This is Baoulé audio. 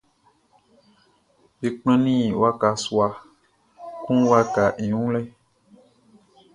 Be kplannin waka sua kun wakaʼn i wun lɛ.